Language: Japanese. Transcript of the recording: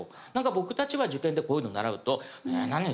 僕たちは受験でこういうの習うと「え何？」